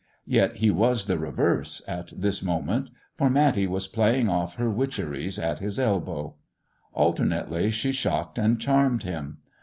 Yet he was the reverse at this moment, for Matty was playing ofi her witcheries at bis elbow. Alternately she shocked and charmed him.